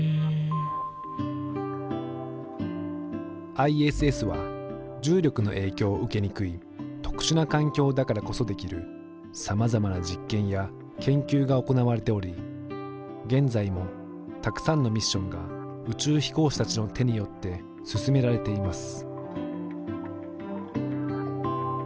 ＩＳＳは重力の影響を受けにくい特殊な環境だからこそできるさまざまな実験や研究が行われており現在もたくさんのミッションが宇宙飛行士たちの手によって進められています。